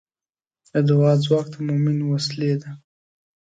د دعا ځواک د مؤمن وسلې ده.